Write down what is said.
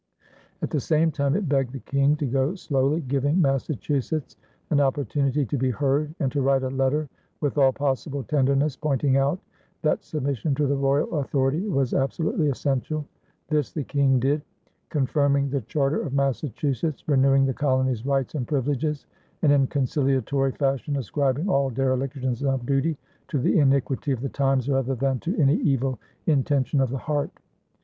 At the same time, it begged the King to go slowly, giving Massachusetts an opportunity to be heard, and to write a letter "with all possible tenderness," pointing out that submission to the royal authority was absolutely essential. This the King did, confirming the charter of Massachusetts, renewing the colony's rights and privileges, and in conciliatory fashion ascribing all derelictions of duty to the iniquity of the times rather than to any evil intention of the heart.